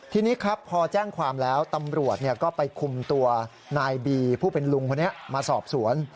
ทีนี้ครับพอแจ้งความแล้วตำรวจก็ไปคุมตัวนายบีผู้เป็นลุงคนนี้มาสอบสวน